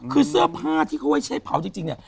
คือเสื้อผ้าที่เขาไว้ใช้เผาจริงเนี่ย